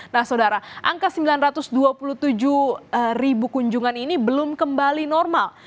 nah saudara angka sembilan ratus dua puluh tujuh ribu kunjungan ini belum kembali normal